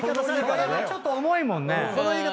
それちょっと重いもんね。